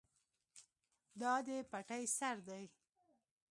دا د پټی سر دی.